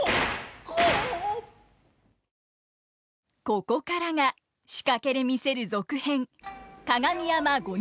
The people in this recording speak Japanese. ここからが仕掛けで見せる続編